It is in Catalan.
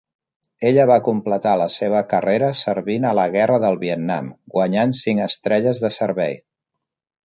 Ella va completar la seva carrera servint a la Guerra del Vietnam, guanyant cinc estrelles de servei.